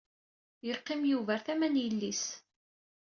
Yeqqim Yuba ar tama n yelli-s.